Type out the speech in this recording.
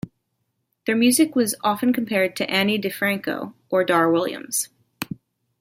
Their music was often compared to Ani DiFranco or Dar Williams.